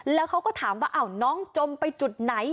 แล้วเขาก็ถามว่าน้องจมไปจุดไหน